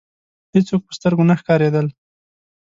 هېڅوک په سترګو نه ښکاریدل.